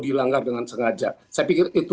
dilanggar dengan sengaja saya pikir itu